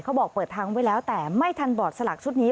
บอกเปิดทางไว้แล้วแต่ไม่ทันบอร์ดสลากชุดนี้